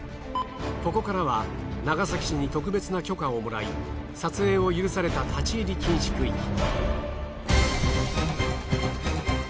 ここからは長崎市に特別な許可をもらい撮影を許された立ち入り禁止区域。